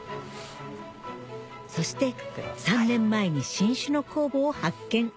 そして３年前に新種の酵母を発見